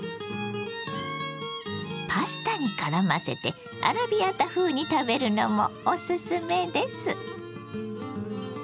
パスタにからませてアラビアータ風に食べるのもおすすめです。